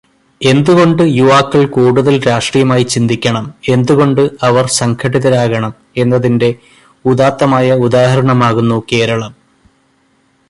എന്തുകൊണ്ട് യുവാക്കൾ കൂടുതൽ രാഷ്ട്രീയമായി ചിന്തിക്കണം, എന്തുകൊണ്ട് അവർ സംഘടിതരാകണം എന്നതിന്റെ ഉദാത്തമായ ഉദാഹരണമാകുന്നു കേരളം.